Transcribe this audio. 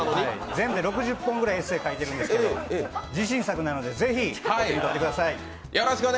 全部で６０本ぐらいエッセイ書いているんですけど自信作なのでぜひ手に取ってください。